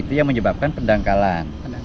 itu yang menyebabkan pendangkalan